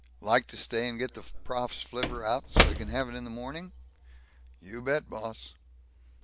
Like to stay and get the prof's flivver out, so he can have it in the morning?" "You bet, boss."